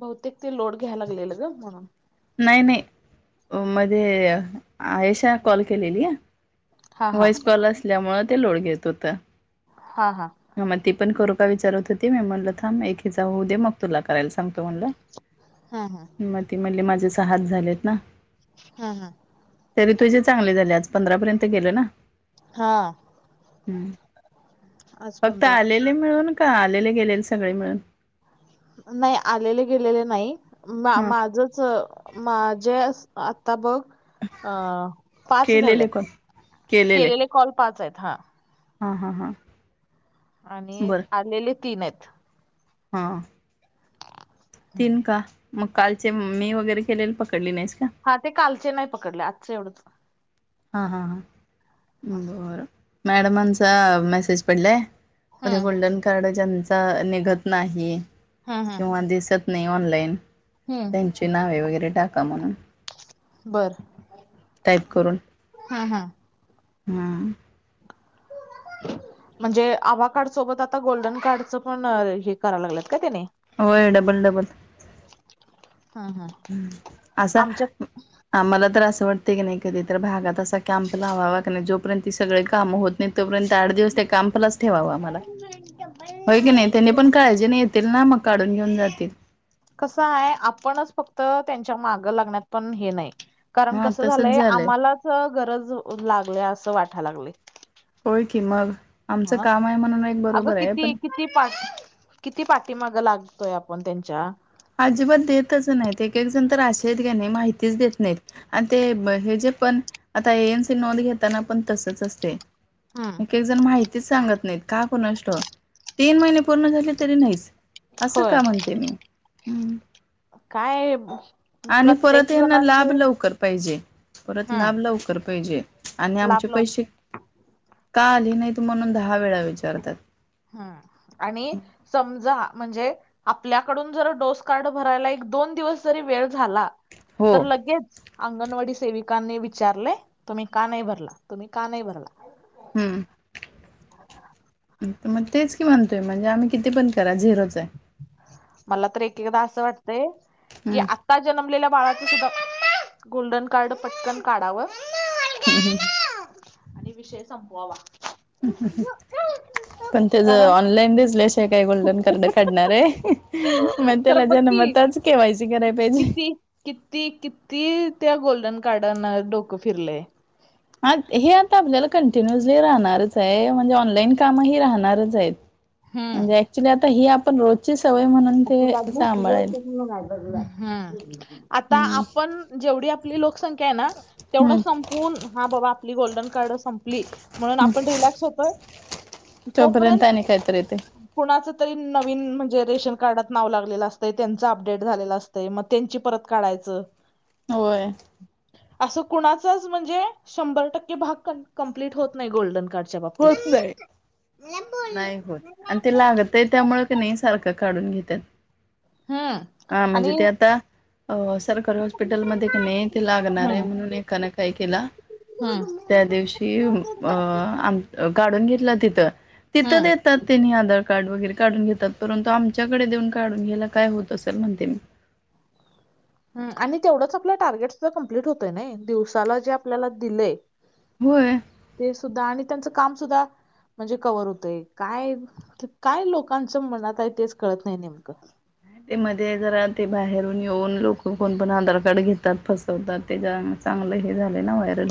बहुतेक ते लोड घ्यायला लागलेलं ग म्हणून नाही नाही मध्ये आयेशा कॉल केलेली हा हा व्हॉइस कॉल असल्यामुळे ते लोड घेत होत हा हा ह मग ती पण करू का विचारत होती मी म्हणलं थांब एके हीजा होऊ दे मग तुला करायला सांगतो हा हा म्हणलं मग ते म्हणले माझेच हात झालेत ना हा हा तरी तुझे चांगले झाले आज पंधरा पर्यंत गेल ना हा हम् आज फक्त पंधरा आलेले मिळून का आलेले गेलेले सगळे मिळून? नाही आलेले गेलेले नाही हा माझंच माझेच आता बघ. अ, पाच केलेले झाल्यात, कोण केलेले कॉल पाच आहेत, हा. हा हा हा. आणि बरं आलेले तीन आहेत. हा. तीन का? मग कालचे मी वगैरे केलेले पकडले नाहीस का? हा ते कालचे नाही पकडले, आजचं एवढंच. हा हां ह असं. बरं मॅडमांचा मेसेज पडलाय? म तें हम्म गोल्डन कार्ड ज्यांच निघत नाही हम्म हम्म किंवा दिसत नई ऑनलाईन हम्म त्यांची नावे वगैरे टाका म्हणून बर. टाईप हम् हम. हम्म. म्हणजे आभा कार्ड सोबत आता गोल्डन कार्डच पण हे करायला लागलेत का त्यानी? होय, डबल-डबल. हम्म हम्म ह्म. असा. आमच्या ह मला तर असं वाटतय की नई, कधी तर भागात असा कॅम्प लावावा क नाई, जोपर्यंत सगळे काम होत नहीं तोपर्यंत आठ दिवस त्या कॅम्पलाच ठेवावा आ मला, होय की नाही त्यांनी पण काळजी नई येतील ना, मग काढून घेऊन जातील. कसं आहे आपणच फक्त त्यांच्या मागं लागण्यात पण हे नाही. कारण हा कसं तसच झालंय आम्हालाच गरज लागलय, असं वाटायला लागलय. होय की मग आमचं काम आहे म्हणून एक अगं बरोबर आहे, किती पण किती पाठ किती पाठीमाग लागतोय आपण त्यांच्या. अजिबात देतच नाहीत, एक-एक जण तर आशे येत कि नई माहितीच देत नाहीत. आणि ते हे जे पण, आता ये यांचं नोंद घेताना पण तसच असतये. हम्म एक-एक जण माहितीच सांगत नाहीत, का कुणास ठाव, तीन महिने पूर्ण झाले तरी नाहीच, असं का? म्हणते मी. हम्म काये आणि परत यांना लाभ लवकर पाहिजे. परत हम्म लाभ लवकर पाहिजे आणि लाभ आमचे लव पैसे का आले नाहीत म्हणून दहा वेळा विचारतात. हन आणि समजा म्हणजे आपल्याकडून जर डोस कार्ड भरायला, एक-दोन दिवस जरी वेळ झाला हो. तर लगेच अंगणवाडी सेविकांनी विचारले, तुम्ही का नाही भरला? तुम्ही का नाही भरला? हम्म. मग तेच कि म्हनते त म्हणजे आम्ही किती पण करा, झिरोच आहे. मला तर एक-एकदा असं वाटतंय की हम्. आता जन्मलेल्या बाळाच सुद्धा, गोल्डन कार्ड पटकन काढाव ह ह. आणि विषय संपवावा. पण ते ज कारण ऑनलाईन दिसल्या शिवाय काय गोल्डन कार्ड काढणार आहे म तर त्याला जनमताच, केवायसी कराया पाहिजे. किती-किती त्या गोल्डन कार्डना डोकं फिरलंय. आ हे आता आपल्याला कंटिन्युअसली राहणारच आहे, म्हणजे ऑनलाईन कामही राहणारच हयेत. हम्म म्हणजे ऍक्च्युली आता ही आपण रोजची सवय म्हणून आपुला ते झोप [unintelligible] सांभाळेल म्हणून बघलं, हा आता हम्म आपण जेवढी आपली लोकसंख्या आहे ना? तेवढं हम्म संपून हा बाबा आपली गोल्डन कार्ड संपली, म्हणून हम्म आपण रिलॅक्स होतोय. तोपर्यंत अनिक कायतरी येतंय. कुणाच तरी नवीन म्हणजे रेशन कार्डात नाव लागलेलं असत त्यांच अपडेट झालेलं असत मग त्यांची परत काढायच. होय असं कुणाचच म्हणजे शंभर टक्के भाग कंप्लीट होत नाही गोल्डन कार्ड होत नाही नाही होत आणि ते लागत. ते त्यामुं क नाही सारखं काढून घेतात हम्म हा म्हणजे आणि ते आता अ सरकारी हॉस्पिटलमध्येध्ये का नाही ते लागणार आहे हम्म म्हणून एका नाही काय केला. हम्म त्या दिवशी अ आम काढून घेतला तिथं हम्म तिथंेत. ात त्यांनी आधार कार्ड वगैरे काढून घेतात परंतु आमच्याकडे देऊन काढून घ्यायला काय होत असेल म्हणते मी ह आणि तेवढंच आपलं टार्गेट सुद्धा कम्प्लीट होतय ना दिवसाला जे आपल्याला दिलेय. होय ते सुद्धा आणि त्यांचं काम सुद्धा म्हणजे कवर होतय काय काय लोकांचं मनात आहे तेच कळत नाही नेमकं ते मध्ये जरा ते बाहेरून येऊन लोक कोण पण आधार कार्ड घेतात फसवतात ते जा चांगलं हे झालंय ना व्हायरल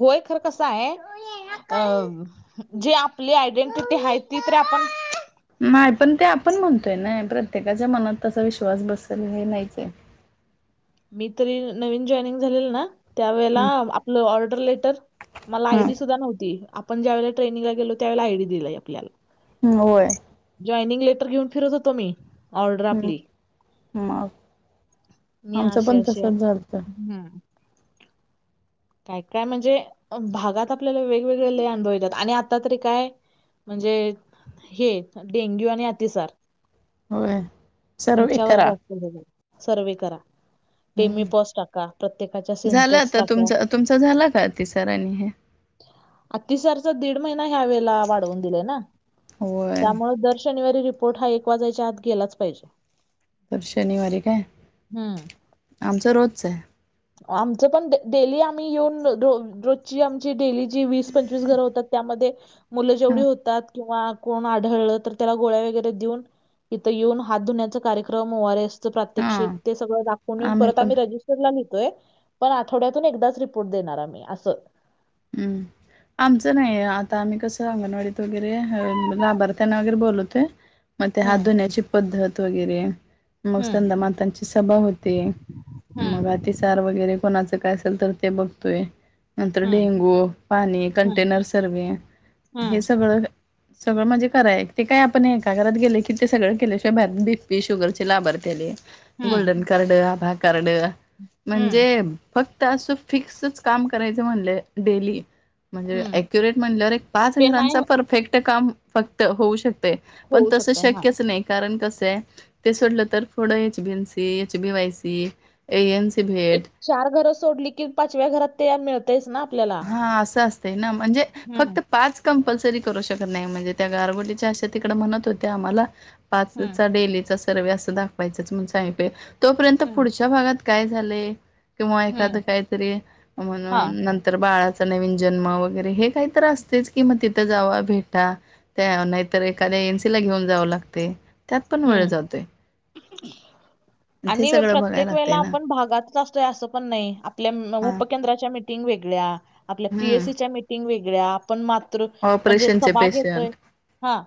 गोय खर कस आहे. अ जी आपली आयडेंटिटी आहे ती तर आपण नाही पण ते आपण म्हणतोय ना प्रत्येकाच्या मनात तसा विश्वास बसेल हे नाहीच आहे. मी तरी नवीन जॉईनिंग झालेल ना त्या वेळेला हम्म आपलं ऑर्डर लेटर मला हम्म आयडी सुद्धा नव्हती. आपण ज्या वळेला ट्रेनंगला गेलो त्यावेळे आय डी दिलाय आपल्याला ह् होय. जॉईनिंग लेटर घेऊन फिरत होतो मी ऑर्डर हम्म आपली मग मी आमचं असे पण असे तसच झारत हम्म काय काय म्हणजे भागात आपल्याला वेगवेगळे ल अनभतात आणि आता तरी काय? म्हणजे हे डेंग्यू आणि अतिसार होय सर्वे ह्याच्यावर करा जास्त हो सर्वे करा. हम्म टेमीपॉस टाका प्रत्येकाच्या झालं सिनटेक्स आता टाका. तुमचं तुमचा झाला का अतिसार आणि हे अतिसारचा दीड महिना ह्या वेळे वाढवून दिलाय ना होय त्यामु दर शनिवारी पोठ हा एक वाजायच्या आत गेलाच पाहिजे. तर शनिवारी काय हम्म आमचं रोजच आहे. आमचं पण डेली आम्ही येऊन रोजची आमची डेली ज वीस पंचवीस घर होतात त्यामध्ये मुलं जेवढी हां होतात किंवा कोण आढळलं तर त्याला गोळ्या वगैरे देऊन. इथं येऊन हात धुण्याचा कार्यक्रम ओर एस प्रात्यक्षिक हां ते सगळ दावूनऊन परत आम्ही रजिस्टरला लो. पण आठवड्यातून एकदाच रिपोर्ट देणार आम्ही असं. हम्म आमचं नाही आता आम्ही कसं अंगणवाडीत वगैरे लाभार्थ्यांना वगैरे बोलतो. मग ते हात हम्म धण्याची पद्धत वगैरे मग हम्म संंदमातांची सभा होते मग आ हम्म ार वगैरे कोणाच काय असेल तर ते बघतोय नंतर हम्म डेंगू हम्म के हं, स सगळं म्हणजे कर आहे ते काय आपण एका घरात गेले की ते सगळे केले शोभ्यात बीपी शुगर चे लाभारथले. हं, गोल्डन कार्ड आधार कार्ड हं, म्हणजे फक्त असं फिक्सच काम करायचं म्हणले डेली म्हणजे हं. अक्युरेट म्हणल्यावर एक पाच ते नाही घरांचा परफेक्ट काम फक्त होऊ शकत. पण होऊ तस शकतंय. हां. शक्यच नाही. कारण कस आहे ते सोडलं तर पुडं HB N C HB Y C A N C एक भेट. चार घरं सोडली कि पाचव्या घरात ते मिळतेस ना आपल्याला. हा असं असतं ना म्हणजे फक्त हं, पाच. कंपल्सरी करू शकत नाही. म्हणजे त्या गारबटलीच्या अशा तिकड म्हणत होते आम्हाला हं, पाचचा डेलीचा सर्व अस दाखवायचाच म सांगितलय तोपर्यंत हं, पुढ त्या भागात काय झालय किंवा एखाद हं. काहीतरी म्हणून हां, नंतर तर बाळाचा नवीन जन्म वगैरे हे काहीत असतेच कि मग तिथं जावा भेटा. त्या नाहीतर एाद्या एनसी ला घेऊन जावं लागते. हं. [unintelligible] [inaudible] ते आणि सगळं बघायला प्रत्येक लागतंय वेळेला ना आपण भागातच असतोय असं पण नाही आपल्या हा उपकेंद्राच्या मीटिंग वेगळ्या, आपल्या हम्म पीएससी च्या मीटिंग वेगळ्या. पण मातृ म्हणजे ऑपरेशनचे सभा घेतोय पेशंट हा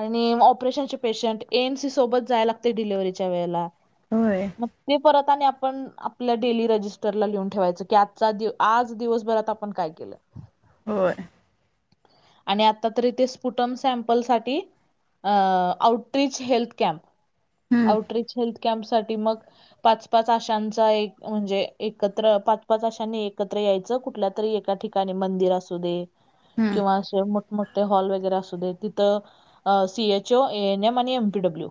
आणि ऑपरेशन पेशंट, एमसी सोबत जाय लागते डिलवर्हरीच्या वेळेला. होय मग ते परत आणि आपण आपल्या डेली रजिस्टरला लिहून ठेवायच की आज आज दिवसभरात आपण काय केलं. होय. आणि आता तरी ते स्पुटम सॅम्पल साठी आउटरीच हेल्थ कॅम्प. हम्म आउटरीच हेल्थ कॅम्प साठी मग पाच पाच आशांचा एक म्हणजे एकत्र पाच पाच आशांनी एकत्र यायचं कुठल्या तरी एका ठिकाणी मंदिर असू दे, हम्म असं मोठ मोठे हॉल वगैरे असू दे तिथ सीएचओ एनएम आणि एमपीडब्ल्यू.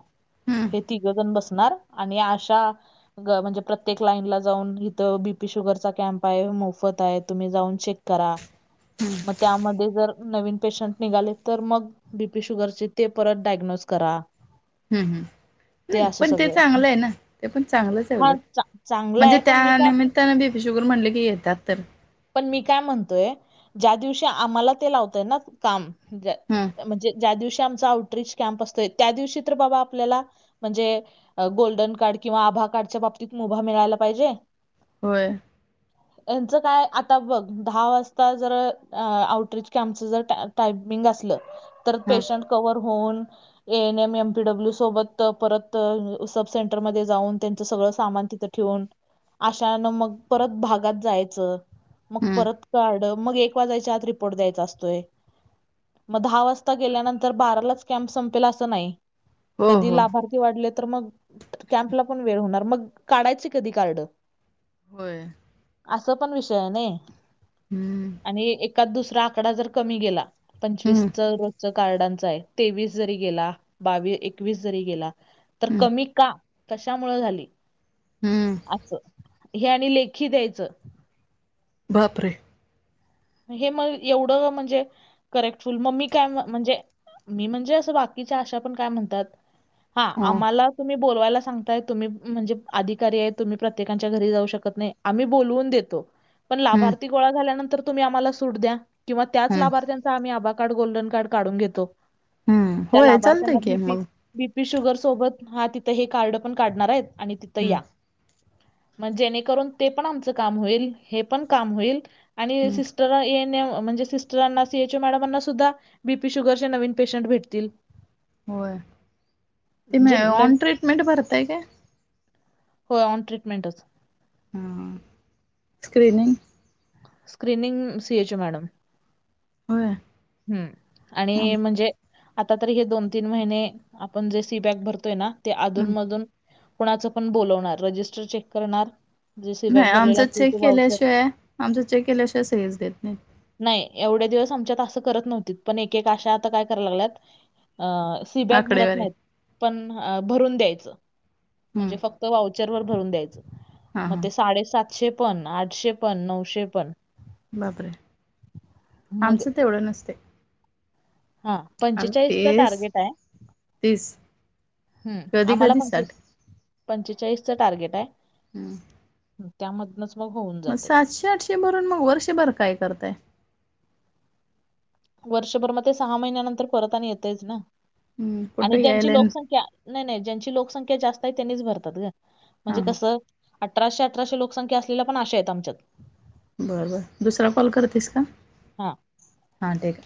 हम्म, हे तिघजण बसणार आणि अशा म्हणजे प्रत्येक लाईन ला जाऊन इथं बीपी शुगर चा कॅम्प आहे. मोफत आहे तुम्ही जाऊन शेक करा हम्म, मग त्यामध्ये जर नवीन पेशंट निघाले तर मग बीपी शुगरचे ते परत डायग्नोज करा. हम् ह असं पण ते सगळं चांगलं आहे ना ते पण चांगलंच आहे हा उलट. चा- चांगलं म्हणजे आहे पण मी त्या काय निमित्तानें बीपी शुगर म्हणले की येतात तर. पण मी काय म्हणतोय ज्या दिवशी आम्हाला ते लावतय ना काम. हम्. ज्या- म्हणजे ज्या दिवशी आमचा आउटरीच कॅम्प असतोय, त्या दिवशी तर बाबा आपल्याला म्हणजे गोल्डन कार्ड किंवा आभा कार्डच्या बाबतीत मुभा मिळायला पाहिजे. होय. यांचं काय आता बघ दहा वाजता जर आउटरीच आमच जर टायपिंग असलं, तर हा पेशंट क्हवर होऊन. A N M M PW सोबत परत सब सेंटरमध्ये जाऊन त्यांच सगळं सामान तिथ ठेून अशाानं मग परत भागात जायचं. मग हम्म परत काढ मग एक वाजाच्या आत रिपोर्ट द्यायचा. मग दहा वाजता गेल्यानंतर बारालाच कॅमप संपेला असं नाही. हो कधी हो लाभार वाढले तर मग कॅम्पला पण वेळ होणार मग काढायचे कधी कारड. होय. असं पण विषय आहे नइ हम्म आणि एकाद दुसरा आकडा जर कमी गेला पंचवीस हम्म रज कार्डांच आहे तेवीस जरी गेला बावीस एकवीस जरी गेला तर हम्म कमी का कशामुळ झाली. हम्म असं हे आणि लेखी द्यायचं. बापरे! हे मग एवढं म्हणजे करेक्टफुल मग म काय म्हणजे मी म्हणजे असं बाकीच्या आशा पण काय म्हणतात. हा हो आम्हाला तुम्ही बोलवायला सांगताय तुम्ही म्हणजे अधिकारी आहे तुम्ही प्रत्येकांच्या घरी जाऊ शकत नाही. आम्ही बोलवून देतो. पण हम्म लाभार्थी गोळा झाल्यानंतर तुम्ही आम्हाला सूट द्या किंवा त्याच हम्म लाभारथ तर आम्ही आभा कार्ड गोल्डन कार्ड काढून घेतो हम्म त्या होय लाभार्थ्यांना चालतंय की बी पी मग बी पी शुगर सोबत हा तिथं हे कार्ड पण काढणार आहेत आणि तिथं हम्म या. मग जेणेकरून ते पण आमचं काम होईल हे पण काम होईल आणि हम्म सिस्टर ए म्हणजे सिस्टरांना सी एच ओ मॅडमांना सुद्धा बीपी शुगरचे नवीन पेशंट भेटतील. होय ते मे म्हणजे न ऑन ट्रीटमेंट भरताय का? होय ऑन ट्रीटमेंच. हम्म screening screening C H O madam होय. हम्म आणि हम्म म्हणजे आता तर हे दोन तीन महिने आपण जे सी बॅक भरतोय ना ते हम्म अधून मधून कुणाचं पण बोलावणार रजिस्टर चेक करणार जे सी बॅग नाही भरलेला आमचा असेल चेक ते वाउचर केल्याशिवाय आमच चेक केल्याशिवाय सहीच देत नाही. नाही एवढे दिवस आमच्यात असं करत नव्हती पण एक एक अशा आता काय कराय लागल्यात अ सी बॅक भरत आकडेवारी नाही पण भरून द्यायच हं, म्हणजे फक्त वाव चर वर भरून द्यायच हां, मग हां. ते साडेसातशे पण आठशे पण नऊशे पण बापरे आहे मग आमचं ते तेवढं नसतय. हा पंचेचाळीस टार्गेट आहे ह आम्हाला कधी-कधी पं पंचेचाळीसचं टार्गेट आय. हम्म त्यामधनच होऊन मग जाते सातशे आठशे भरून मग वर्षभर काय करताय? वर्षभर मग ते सहा महिन्यानंतर परत आणि येतच ना हं, आणि कुठं ज्यांची यायला हां, लोकसंख्या नाय नाय ज्यांची लोकसंख्या जास्त आहे त्यांनीच भरतात ग म्हणजे हां. कसं अठराशे अठराशे लोकसंख्या असलेल्या पण अशा आहेत आमच्यात बरं बर दुसरा कॉल करतेस का? हा. हां, ठीक आहे.